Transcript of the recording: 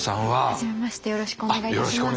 初めましてよろしくお願いいたします。